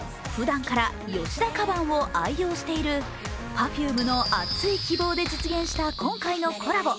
ふだんから吉田カバンを愛用しているＰｅｒｆｕｍｅの熱い希望で実現した今回のコラボ。